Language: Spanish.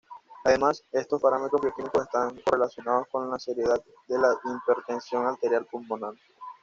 Además, estos parámetros bioquímicos están correlacionados con la seriedad de la hipertensión arterial pulmonar.